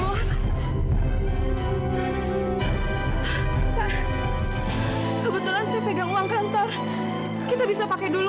kebetulan saya pegang uang kantor kita bisa pakai dulu